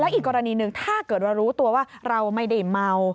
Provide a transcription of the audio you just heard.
อีกกรณีหนึ่งถ้าเกิดว่ารู้ตัวว่าเราไม่ได้เมา